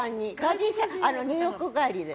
ニューヨーク帰りで？